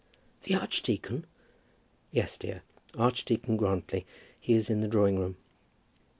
"The archdeacon?" "Yes, dear; Archdeacon Grantly. He is in the drawing room."